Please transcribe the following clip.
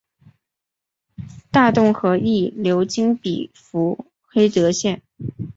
大洞河亦流经比弗黑德县。